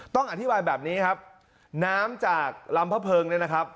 ต้องอธิบายแบบนี้ครับน้ำจากลำพะเพิร์ง